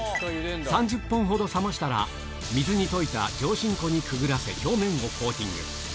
３０分ほど冷ましたら、水に溶いた上新粉にくぐらせ、表面をコーティング。